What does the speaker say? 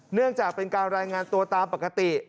เนื่องจากเป็นการรายงานตัวตามปกติ